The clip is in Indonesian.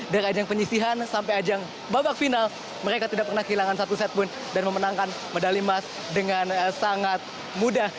dari ajang penyisihan sampai ajang babak final mereka tidak pernah kehilangan satu set pun dan memenangkan medali emas dengan sangat mudah